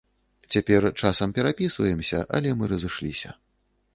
Цяпер часам перапісваемся, але мы разышліся.